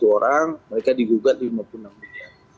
satu ratus tiga puluh satu orang mereka digugat lima puluh enam miliar